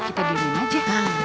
kita diri aja